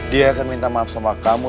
dia akan minta maaf sama kamu